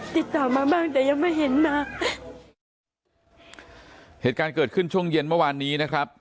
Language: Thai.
ติดต่อมาบ้างแต่ยังไม่เห็นมาเหตุการณ์เกิดขึ้นช่วงเย็นเมื่อวานนี้นะครับ